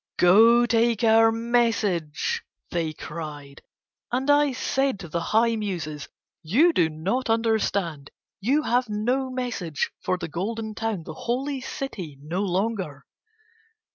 "Go take our message," they cried. And I said to the high Muses: "You do not understand. You have no message for the Golden Town, the holy city no longer."